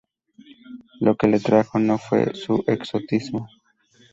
Lo que le atrajo no fue su exotismo.